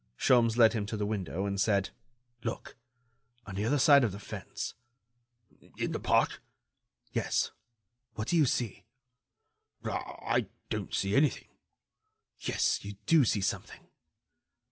Sholmes led him to the window, and said: "Look!... on the other side of the fence...." "In the park?" "Yes. What do you see?" "I don't see anything." "Yes, you do see something."